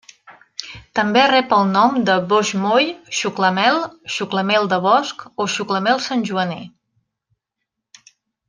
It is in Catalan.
També rep el nom de boix moll, xuclamel, xuclamel de bosc o xuclamel santjoaner.